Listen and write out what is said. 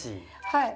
はい。